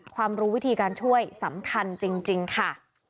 รู้วิธีการช่วยสำคัญจริงค่ะ